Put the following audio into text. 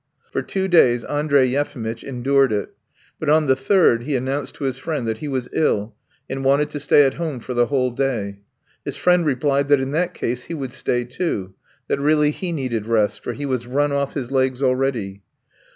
For two days Andrey Yefimitch endured it, but on the third he announced to his friend that he was ill and wanted to stay at home for the whole day; his friend replied that in that case he would stay too that really he needed rest, for he was run off his legs already.